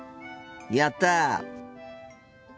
やった！